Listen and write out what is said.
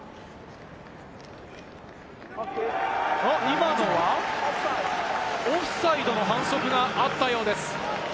今のはオフサイドの反則があったようです。